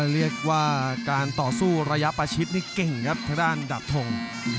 เรียกว่าการต่อสู้ระยะประชิดนี่เก่งครับทางด้านดาบทง